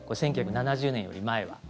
これ、１９７０年より前は。